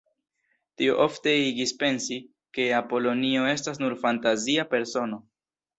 Tio ofte igis pensi, ke Apolonio estas nur fantazia persono.